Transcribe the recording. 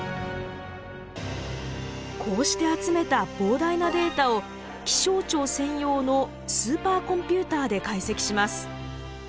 こうして集めた膨大なデータを気象庁専用のスーパーコンピューターで解析します。